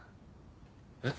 えっ？